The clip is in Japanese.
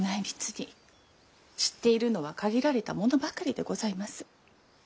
知っているのは限られた者ばかりでございます。